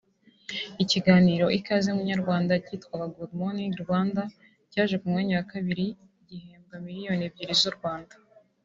Ikiganiro Ikaze munyarwanda cyitwaga Good Morning Rwanda cyaje ku mwanya wa kabirigihembwa miliyoni ebyiri z’u Rwanda